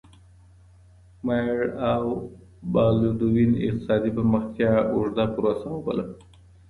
ماير او بالدوين اقتصادي پرمختيا اوږده پروسه وبلله.